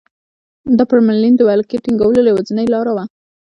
دا پر منډلینډ د ولکې ټینګولو یوازینۍ لاره وه.